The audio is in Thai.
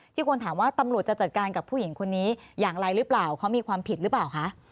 คนถามว่าตำรวจจะจัดการกับผู้หญิงคนนี้อย่างไรหรือเปล่าเขามีความผิดหรือเปล่าคะ